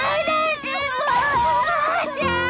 おばあちゃん！